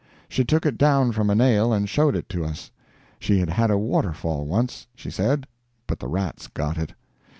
She took it down from a nail and showed it to us. She had had a waterfall once, she said, but the rats got it.